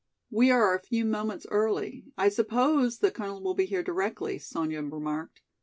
"We are a few moments early; I suppose the colonel will be here directly," Sonya remarked.